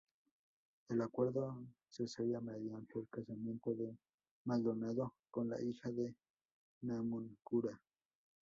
El acuerdo se sella mediante el casamiento de Maldonado con la hija de Namuncurá.